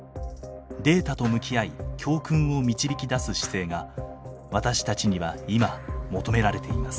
データと向き合い教訓を導き出す姿勢が私たちには今求められています。